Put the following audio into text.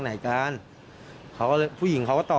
เมื่อวานแบงค์อยู่ไหนเมื่อวาน